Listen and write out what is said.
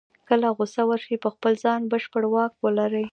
کله غوسه ورشي په خپل ځان بشپړ واک ولري.